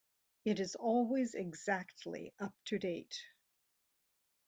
It is always exactly up to date.